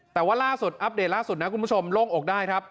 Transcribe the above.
แต่ว่าล่าสุดอัปเดตล่าสุดนะคุณผู้ชมโล่งอกได้ครับ